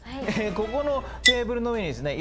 ここのテーブルの上にですね